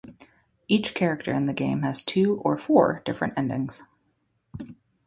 Each character in the game has two or four different endings.